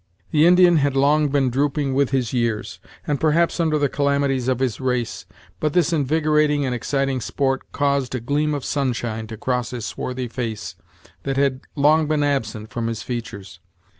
The Indian had long been drooping with his years, and perhaps under the calamities of his race, but this invigorating and exciting sport caused a gleam of sunshine to cross his swarthy face that had long been absent from his features.